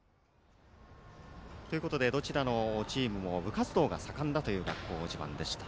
どちらのチームも部活動が盛んだという学校自慢でした。